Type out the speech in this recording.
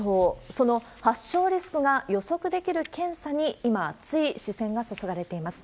その発症リスクが予測できる検査に、今、熱い視線が注がれています。